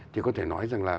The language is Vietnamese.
thì có thể nói rằng là